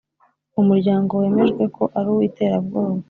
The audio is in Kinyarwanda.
umuryango wemejwe ko ari uw’iterabwoba